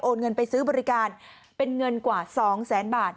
เงินไปซื้อบริการเป็นเงินกว่า๒แสนบาท